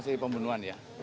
masih pembunuhan ya